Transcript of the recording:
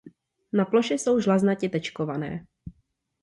Na ploše jsou žláznatě tečkované.